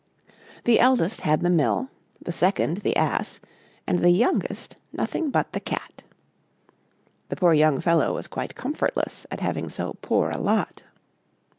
The eldest had the Mill, the second the Ass, and the youngest nothing but the Cat. The poor young fellow was quite comfortless at having so poor a lot.